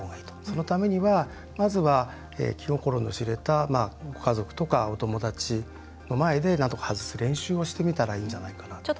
そのためにはまずは気心の知れたご家族とかお友達の前でなんとか外す練習をしてみたらいいんじゃないかなと。